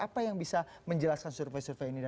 apa yang bisa menjelaskan survei survei ini